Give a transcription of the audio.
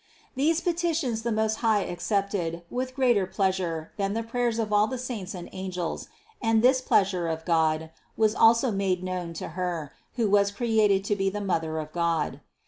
These petitions the Most High accepted with greater pleasure than the prayers of all the saints and angels and this pleasure of God was also made known to Her, who was created to be the Mother of God.